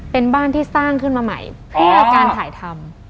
เป็นบ้านที่สร้างขึ้นมาใหม่เพื่อการถ่ายทำ